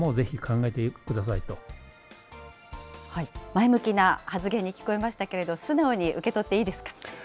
前向きな発言に聞こえましたけども、素直に受け取っていいですか。